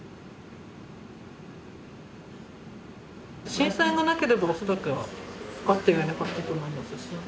震災がなければ恐らくは会ってはいなかったと思いますし。